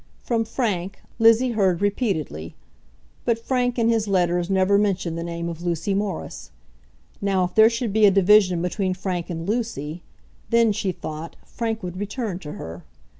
From Frank, Lizzie heard repeatedly, but Frank in his letters never mentioned the name of Lucy Morris. Now, if there should be a division between Frank and Lucy, then, she thought, Frank would return to her.